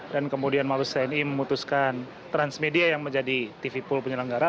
dan kemudian mabes tni memutuskan transmedia yang menjadi tvpul penyelenggara